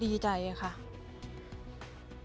ดีใจในการที่สารตัดสินค้า